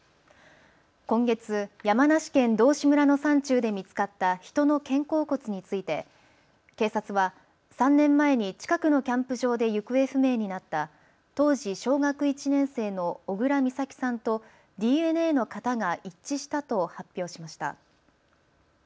今月、山梨県道志村の山中で見つかった人の肩甲骨について警察は３年前に近くのキャンプ場で行方不明になった当時小学１年生の小倉美咲さんとＤＮＡの型が一致したと発表しました。